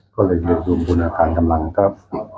ก็เลยเรียกรวมคุณอาคารกำลังครับ